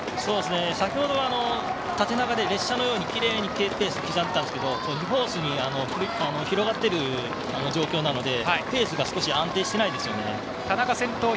先ほどは縦長で列車のようにきれいにペース刻んでいたんですけれどもコースに広がっている状況なのでペースが少し安定してないですよね。